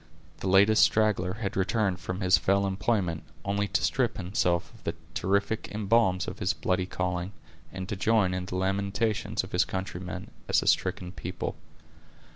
The latest straggler had returned from his fell employment, only to strip himself of the terrific emblems of his bloody calling, and to join in the lamentations of his countrymen, as a stricken people.